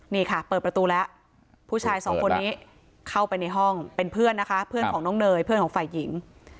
นี่ค่ะเปิดประตูแล้วผู้ชายสองคนนี้เข้าไปในห้องเป็นเพื่อนนะคะเพื่อนของน้องเนยเพื่อนของฝ่ายหญิง